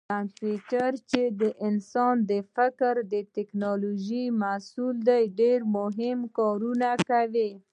کمپیوټر چې د انسان د فکر او ټېکنالوجۍ محصول دی ډېر مهم کارونه کوي.